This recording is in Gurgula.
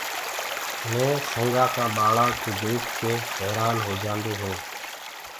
مي سنگآ ڪآ ٻآݪآ ڪوُ ديک ڪي حيرآن هوجآندو هونٚ۔